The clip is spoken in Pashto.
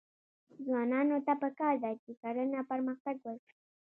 ځوانانو ته پکار ده چې، کرنه پرمختګ ورکړي.